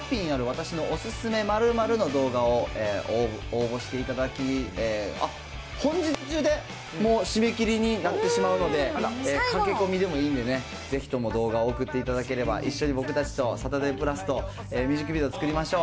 私のおすすめ〇〇の動画を応募していただき、あっ、本日中で、もう締め切りになってしまうので、駆け込みでもいいんでね、ぜひとも動画を送っていただければ、一緒に僕たちと、サタデープラスと、ミュージックビデオ作りましょう。